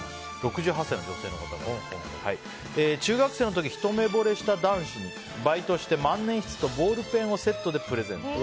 中学生の時ひと目ぼれした男子にバイトして万年筆とボールペンをセットでプレゼント。